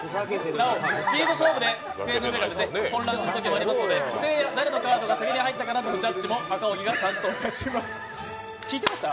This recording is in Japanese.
なおスピード勝負で混乱することもありますので不正や誰のカードが先に入ったかなどジャッジも赤荻が担当いたします、聞いてました？